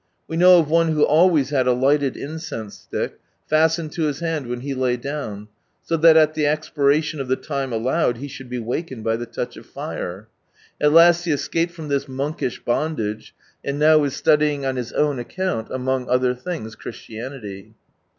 We know of one who always had a hghled incense stick, fastened to his hand when he lay down, so that at the txjiiration of the time allowed he should be wakened by the touch of fire. At last he escaped from this monkish bondage, and now is studying on his own account, among oiher things, Christianity.